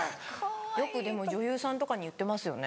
よくでも女優さんとかに言ってますよね。